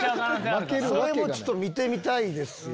それもちょっと見てみたいですよ。